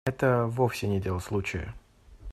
Это вовсе не дело случая.